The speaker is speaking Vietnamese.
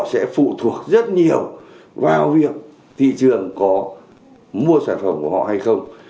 dấu hiệu vào việc thị trường có mua sản phẩm của họ hay không